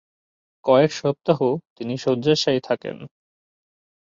কয়েক সপ্তাহ তিনি শয্যাশায়ী থাকেন।